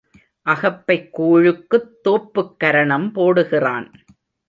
அகப்பைக் கூழுக்குத் தோப்புக்கரணம் போடுகிறான்.